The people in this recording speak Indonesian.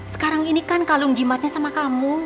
sekarang ini kan kalung jimatnya sama kamu